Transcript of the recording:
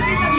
keman ga ini